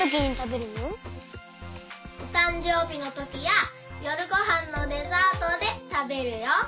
おたんじょうびのときやよるごはんのデザートでたべるよ。